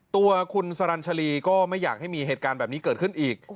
ตัวคุณสรรชรีก็ไม่อยากให้มีเหตุการณ์แบบนี้เกิดขึ้นอีก